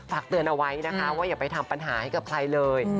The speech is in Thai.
ฝากเตือนเอาไว้นะคะว่าอย่าไปทำปัญหาให้กับใครเลย